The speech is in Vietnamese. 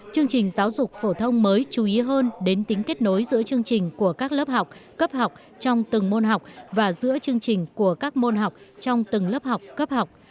chương trình giáo dục phổ thông mới chú ý hơn đến tính kết nối giữa chương trình của các lớp học cấp học trong từng môn học và giữa chương trình của các môn học trong từng lớp học cấp học